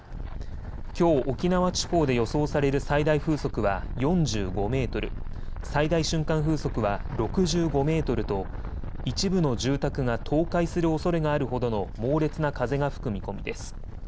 きょう沖縄地方で予想される最大風速は４５メートル、最大瞬間風速は６５メートルと一部の住宅が倒壊するおそれがあるほどの猛烈な風が吹く見込みです。